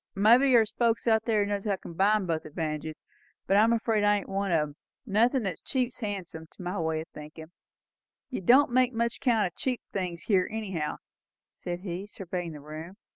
Well maybe there's folks that knows how to combine both advantages but I'm afeard I ain't one of 'em. Nothin' that's cheap's handsome, to my way o' thinkin'. You don't make much count o' cheap things here anyhow," said he, surveying the room.